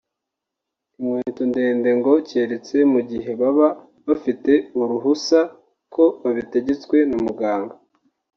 inkweto ndende ngo keretse mu gihe baba bafite uruhusa ko babitegetswe na muganga